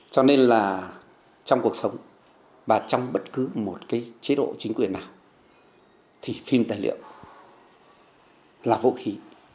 cho nên là trong cuộc sống và trong bất cứ một cái chế độ chính quyền nào thì phim tài liệu là vũ khí